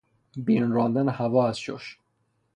بیرون راندن هوا از شش